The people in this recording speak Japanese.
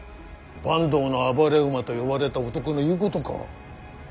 坂東の暴れ馬と呼ばれた男の言うことか。